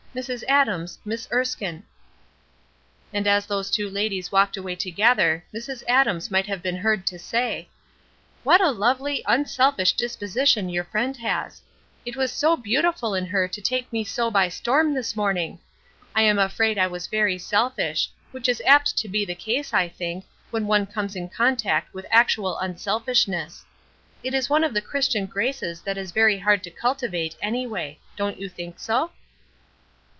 Mrs. Adams, Miss Erskine." And as those two ladies walked away together Mrs. Adams might have been heard to say: "What a lovely, unselfish disposition your friend has! It was so beautiful in her to take me so by storm this morning! I am afraid I was very selfish; which is apt to be the case, I think, when one comes in contact with actual unselfishness. It is one of the Christian graces that is very hard to cultivate, anyway; don't you think so?"